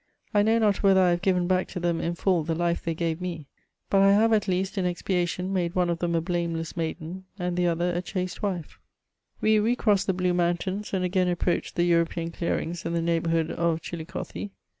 I know not whether I have given back to them in full the life they gave me ; but I have, at least, in expiation, made one of them a blameless maiden, and the other a chaste wife. We re crossed the Blue Mountains, and again approached the European clearings in the neighbourhood of Chillicothi.